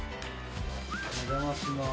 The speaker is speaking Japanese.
お邪魔します。